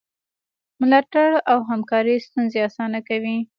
ملاتړ او همکاري ستونزې اسانه کوي.